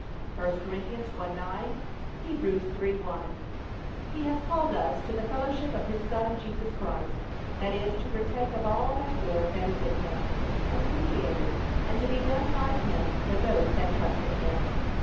(1 Cor. 1:9; Heb. 3:1) He has called us to the fellowship of his Son Jesus Christ; that is, to partake of all that good that is in him, as Mediator, and to be done by him for those that trust in him.